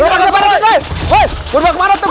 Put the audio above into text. weh gerobaknya tuh